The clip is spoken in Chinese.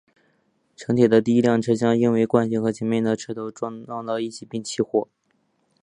城铁的第一辆车厢因惯性和前面的火车头撞到一起并起火。